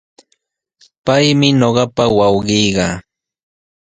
Paymi ñuqapa wawqiiqa.